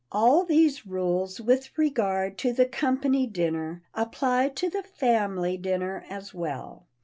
All these rules with regard to the company dinner apply to the family dinner as well.